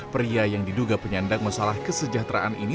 pria yang diduga penyandang masalah kesejahteraan ini